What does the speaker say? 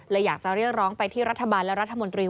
อยากจะเรียกร้องไปที่รัฐบาลและรัฐมนตรี